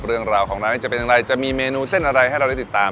เรื่องราวของร้านนี้จะเป็นอย่างไรจะมีเมนูเส้นอะไรให้เราได้ติดตาม